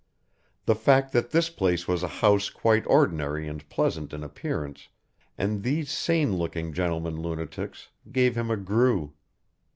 The fact that this place was a house quite ordinary and pleasant in appearance, and these sane looking gentlemen lunatics, gave him a grue.